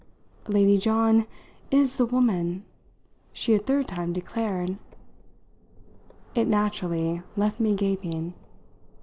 "Lady John is the woman," she a third time declared. It naturally left me gaping.